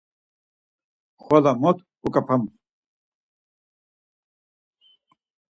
Xvala mot uǩap̌am.